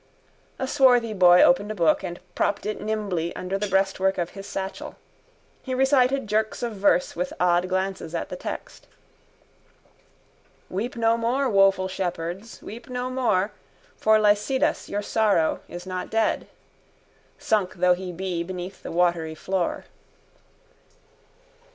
A swarthy boy opened a book and propped it nimbly under the breastwork of his satchel. He recited jerks of verse with odd glances at the text: _—Weep no more, woful shepherds, weep no more For Lycidas, your sorrow, is not dead, Sunk though he be beneath the watery floor...